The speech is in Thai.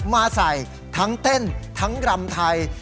มาใส่ทั้งเต้นทั้งรำไทย